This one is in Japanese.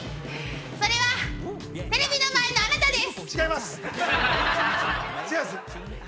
それは、テレビの前のあなたです。